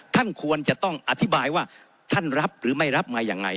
ท่านควรจะต้องอธิบายว่าท่านรับหรือไม่รับมายังไง